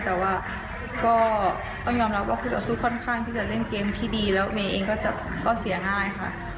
แต่ว่าก็ต้องยอมรับว่าคู่ต่อสู้ค่อนข้างที่จะเล่นเกมที่ดีแล้วเมย์เองก็เสียง่ายค่ะ